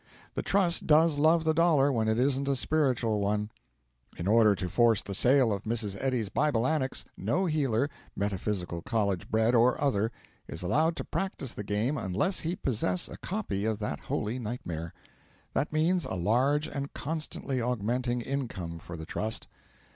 The Trust does love the Dollar when it isn't a spiritual one. In order to force the sale of Mrs. Eddy's Bible Annex, no healer, Metaphysical College bred or other, is allowed to practise the game unless he possess a copy of that holy nightmare. That means a large and constantly augmenting income for the Trust.